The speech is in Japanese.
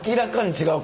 違う。